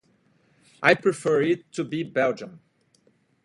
I prefer it to Belgium.